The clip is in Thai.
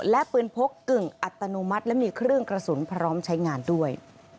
และปืนพกกึ่งอัตโนมัติและมีเครื่องกระสุนพร้อมใช้งานด้วย